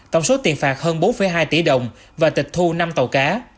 tổng số tiền phạt hơn bốn hai tỷ đồng và tịch thu năm tàu cá